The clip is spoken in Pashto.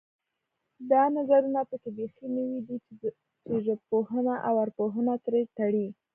دا نظرونه پکې بیخي نوي دي چې ژبپوهنه او ارواپوهنه سره تړي